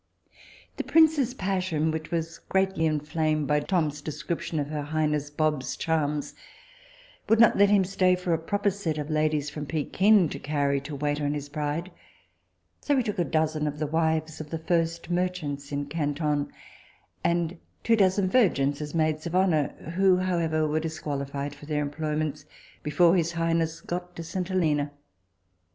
The prince's passion, which was greatly inflamed by Tom's description of her highness Bob's charms, would not let him stay for a proper set of ladies from Pekin to carry to wait on his bride, so he took a dozen of the wives of the first merchants in Canton, and two dozen virgins as maids of honour, who however were disqualified for their employments before his highness got to St. Helena.